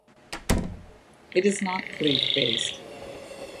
It is not clave-based.